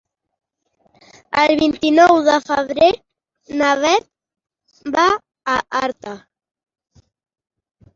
El vint-i-nou de febrer na Beth va a Artà.